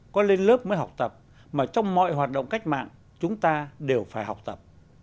có lên lớp mới học tập mà trong mọi hoạt động cách mạng chúng ta đều phải học tập